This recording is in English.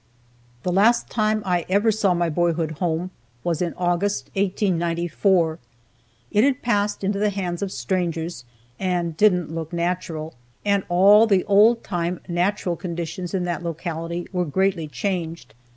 The last time I ever saw my boyhood home was in August, 1894. It had passed into the hands of strangers, and didn't look natural. And all the old time natural conditions in that locality were greatly changed.